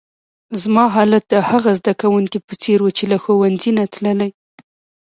زما حالت د هغه زده کونکي په څېر وو، چي له ښوونځۍ نه تللی.